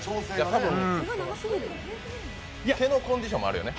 多分、毛のコンディションもあるよね。